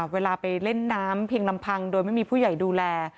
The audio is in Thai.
เวลาไปเล่นน้ำเพียงลำพังโดยไม่มีผู้ใหญ่ดูแล